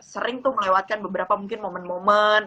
sering tuh melewatkan beberapa mungkin momen momen